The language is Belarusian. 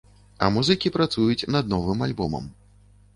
А музыкі працуюць над новым альбомам.